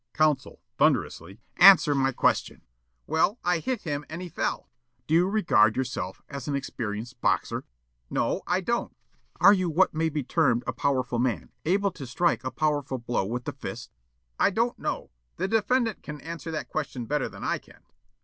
Counsel, thunderously: "Answer my question!" Yollop: "Well, I hit him and he fell." Counsel: "Do you regard yourself as an experienced boxer?" Yollop: "No, I don't." Counsel: "Are you what may be termed a powerful man, able to strike a powerful blow with the fist?" Yollop: "I don't know. The defendant can answer that question better than I can."